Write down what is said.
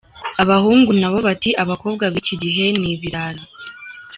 Abahungu nabo bati abakobwa bikigihe ni ibirara !